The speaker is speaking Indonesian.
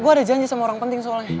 gue ada janji sama orang penting soalnya